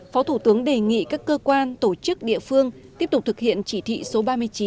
phó thủ tướng đề nghị các cơ quan tổ chức địa phương tiếp tục thực hiện chỉ thị số ba mươi chín